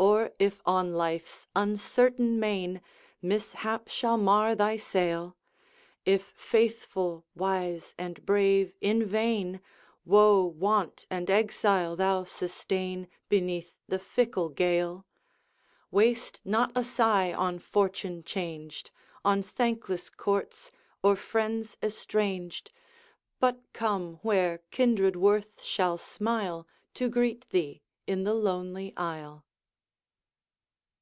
'Or if on life's uncertain main Mishap shall mar thy sail; If faithful, wise, and brave in vain, Woe, want, and exile thou sustain Beneath the fickle gale; Waste not a sigh on fortune changed, On thankless courts, or friends estranged, But come where kindred worth shall smile, To greet thee in the lonely isle.'